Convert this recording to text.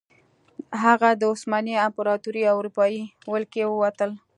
هغه د عثماني امپراتورۍ او اروپايي ولکې ووتل.